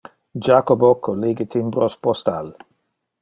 Jacobo collige timbros postal.